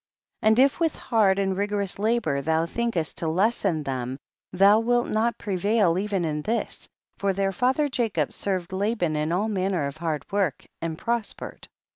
47. And if with hard and rigor ous labor thou thinkest to lessen them, thou wilt not prevail even in this, for their father Jacob served Laban in all manner of hard work, and prospered.